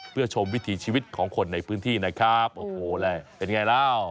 เพื่อชมวิถีชีวิตของคนในพื้นที่นะครับโอ้โหแหละเป็นไงแล้ว